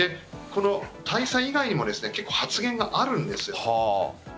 大佐以外にも発言があるんです。